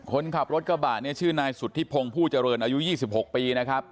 คนขับรถกระบาดเนี่ยชื่อนายสุดที่พงภูเจริญอายุยี่สิบหกปีนะครับ